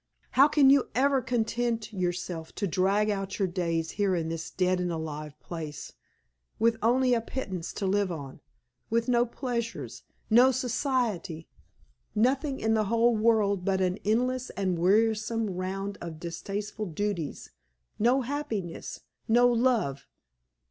How can you ever content yourself to drag out your days here in this dead and alive place, with only a pittance to live on, with no pleasures, no society nothing in the whole world but an endless and wearisome round of distasteful duties, no happiness, no love.